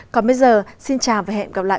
còn bây giờ xin chào và hẹn gặp lại